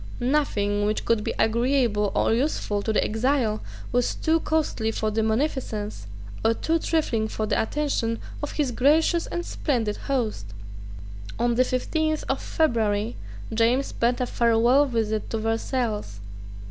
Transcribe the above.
Nothing, which could be agreeable or useful to the exile was too costly for the munificence, or too trifling for the attention, of his gracious and splendid host. On the fifteenth of February, James paid a farewell visit to Versailles.